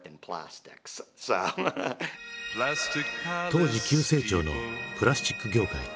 当時急成長のプラスチック業界。